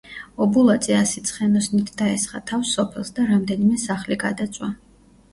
ობოლაძე ასი ცხენოსნით დაესხა თავს სოფელს და რამდენიმე სახლი გადაწვა.